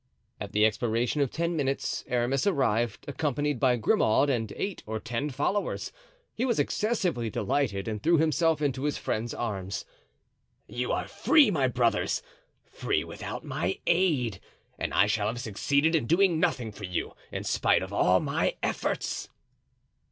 At the expiration of ten minutes Aramis arrived, accompanied by Grimaud and eight or ten followers. He was excessively delighted and threw himself into his friends' arms. "You are free, my brothers! free without my aid! and I shall have succeeded in doing nothing for you in spite of all my efforts."